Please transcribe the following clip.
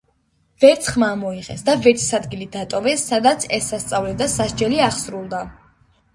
ვერც ხმა ამოიღეს და ვერც ის ადგილი დატოვეს, სადაც ეს სასწაული და სასჯელი აღსრულდა.